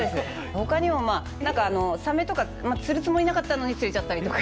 ほかにもまあ何かサメとか釣るつもりなかったのに釣れちゃったりとか。